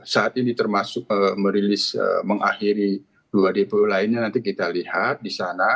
saat ini termasuk merilis mengakhiri dua depo lainnya nanti kita lihat di sana